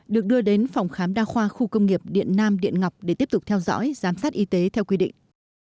được đưa đến phòng khám đa khoa khu công nghiệp điện nam điện ngọc để tiếp tục theo dõi giám sát y tế theo quy định